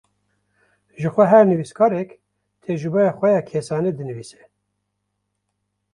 Jixwe her nivîskarek, tecrubeya xwe ya kesane dinivîse